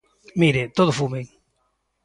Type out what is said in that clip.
Mire, todo fume.